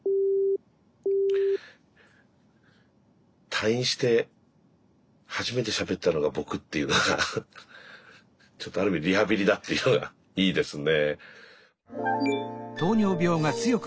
退院して初めてしゃべったのが僕っていう何かちょっとある意味リハビリだっていうのがいいですね。